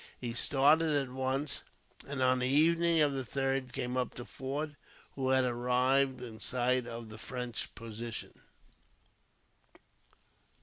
He started at once, and on the evening of the 3rd came up to Forde, who had arrived in sight of the French position.